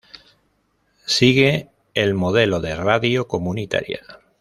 Sigue el modelo de radio comunitaria.